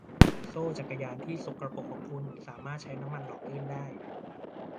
โซ่จักรยานที่สกปรกของคุณสามารถใช้น้ำมันหล่อลื่นได้